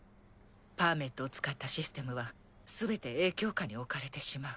パーメットを使ったシステムは全て影響下に置かれてしまう。